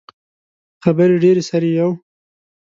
خبرې ډیرې سر يې یو.